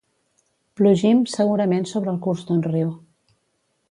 Plugim, segurament sobre el curs d'un riu.